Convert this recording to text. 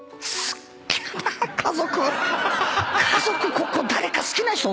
家族ここ誰か好きな人おる？